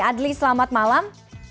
adli selamat malam